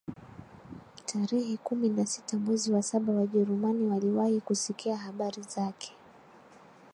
Tarehe kumi na sita mwezi wa saba Wajerumani waliwahi kusikia habari zake